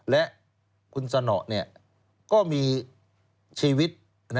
และคุณสนก็มีชีวิต